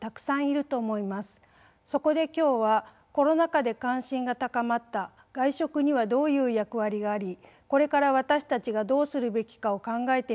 そこで今日はコロナ禍で関心が高まった外食にはどういう役割がありこれから私たちがどうするべきかを考えてみたいと思います。